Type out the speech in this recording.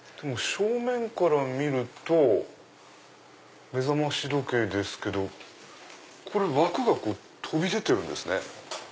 正面から見ると目覚まし時計ですけどこれ枠が飛び出てるんですね。